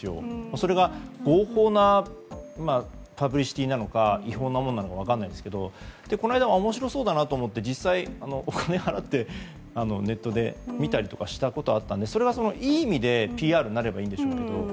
それが合法なパブリシティーなのか違法なものなのか分からないですけどこの間も面白そうだなと思って実際、お金払ってネットで見たりとかしたことあったのでそれがいい意味でＰＲになればいいんでしょうけど